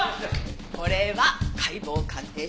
これは解剖鑑定書。